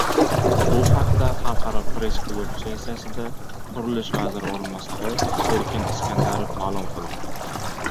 Bu haqda Xalqaro Press-klub sessiyasida qurilish vaziri oʻrinbosari Erkin Iskandarov maʼlum qildi.